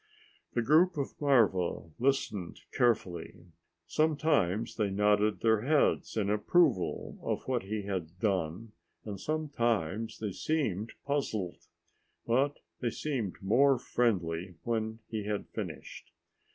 The group of marva listened carefully. Sometimes they nodded their heads in approval of what he had done, and sometimes they seemed puzzled. But they seemed more friendly when he had finished.